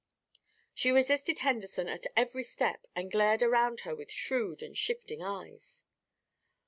She resisted Henderson at every step and glared around her with shrewd and shifting eyes.